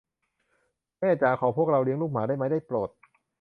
แม่จ๋า ขอพวกเราเลี้ยงลูกหมาได้ไหม ได้โปรด ?